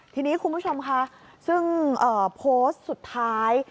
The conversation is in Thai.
ทีนี้คุณผู้ชมค่ะซึ่งโพสต์สุดท้าย